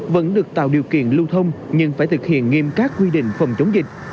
vẫn được tạo điều kiện lưu thông nhưng phải thực hiện nghiêm các quy định phòng chống dịch